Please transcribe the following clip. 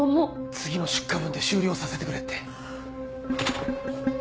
次の出荷分で終了させてくれって。